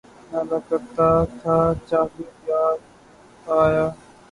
نالہ کرتا تھا، جگر یاد آیا